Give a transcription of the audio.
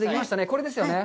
これですよね。